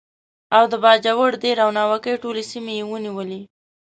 او د باجوړ، دیر او ناوګۍ ټولې سیمې یې ونیولې.